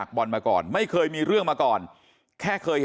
มันต้องการมาหาเรื่องมันจะมาแทงนะ